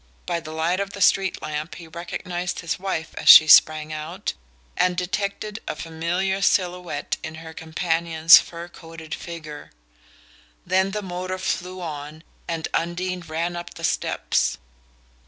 By the light of the street lamp he recognized his wife as she sprang out and detected a familiar silhouette in her companion's fur coated figure. Then the motor flew on and Undine ran up the steps.